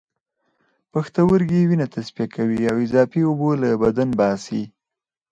پښتورګي وینه تصفیه کوي او اضافی اوبه له بدن باسي